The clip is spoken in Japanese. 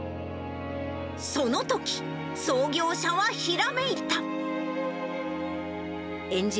そのとき、創業者はひらめいた。